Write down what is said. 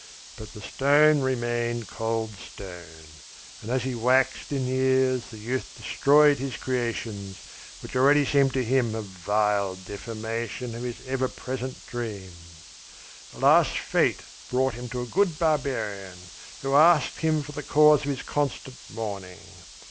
But the stone remained cold stone. And as he waxed in years the youth destroyed his creations, which already seemed to him a vile defamation of his ever present dreams. At last fate brought him to a good barbarian, who asked him for the cause of his constant mourning.